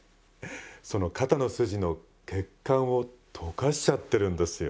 その肩の筋の血管をとかしちゃってるんですよ。